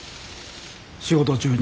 仕事中に。